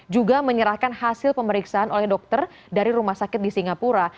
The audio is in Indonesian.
juga menyerahkan hasil pemeriksaan oleh dokter dari rumah sakit di singapura